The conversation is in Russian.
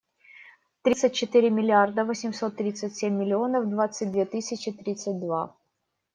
Тридцать четыре миллиарда восемьсот тридцать семь миллионов двадцать две тысячи тридцать два.